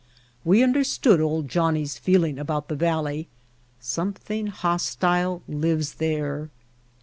We under stood "Old Johnnie's" feeling about the valley. Something hostile lives there.